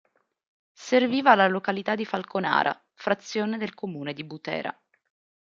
Serviva la località di Falconara, frazione del comune di Butera.